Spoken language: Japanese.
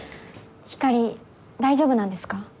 ひかり大丈夫なんですか？